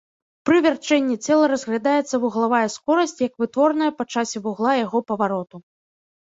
Пры вярчэнні цела разглядаецца вуглавая скорасць як вытворная па часе вугла яго павароту.